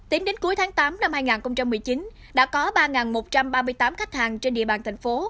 tính đến cuối tháng tám năm hai nghìn một mươi chín đã có ba một trăm ba mươi tám khách hàng trên địa bàn thành phố